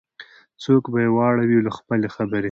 څوک به یې واړوي له خپل خبري